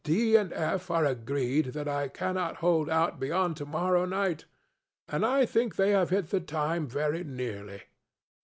DŌĆöŌĆö and FŌĆöŌĆö are agreed that I cannot hold out beyond to morrow midnight; and I think they have hit the time very nearly.